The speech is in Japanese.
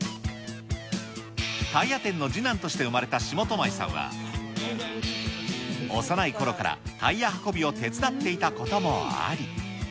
タイヤ店の次男として生まれた下斗米さんは、幼いころからタイヤ運びを手伝っていたこともあり。